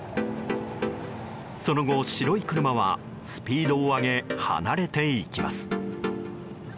その後、白い車はスピードを上げ離れていきます。